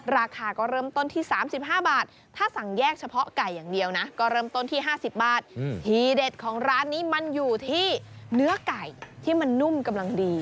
ราคาก็เริ่มต้นที่๓๕บาทถ้าสั่งแยกเฉพาะไก่อย่างเดียวนะ